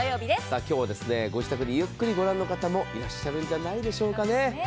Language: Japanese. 今日はご自宅でゆっくりご覧の方もいらっしゃるんじゃないですかね。